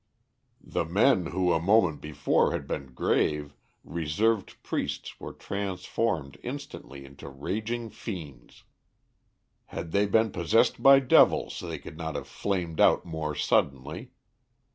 The men who a moment before had been grave, reserved priests were transformed instantly into raging fiends. "Had they been possessed by devils they could not have flamed out more suddenly.